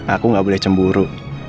aku gak boleh cemburu